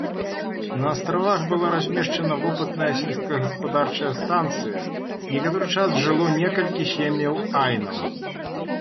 На астравах была размешчана вопытная сельскагаспадарчая станцыя, некаторы час жыло некалькі сем'яў айнаў.